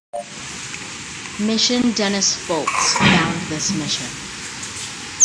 Mission Dennis Fults found this mission.